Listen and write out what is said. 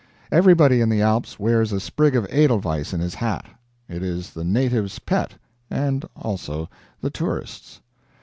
Everybody in the Alps wears a sprig of Edelweiss in his hat. It is the native's pet, and also the tourist's.